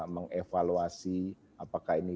mengevaluasi apakah ini